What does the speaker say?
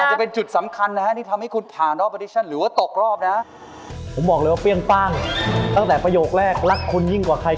เงินมากเลือกมารายการนี้แต่เลือกไม่มีคะแนนพิเศษติดตัวเลย